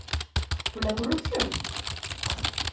Pola corrupción?